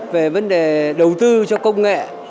về vấn đề đầu tư cho công nghệ